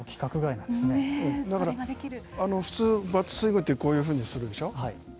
普通、バットスイングってこういうふうにするでしょう。